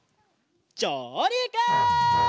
じょうりく！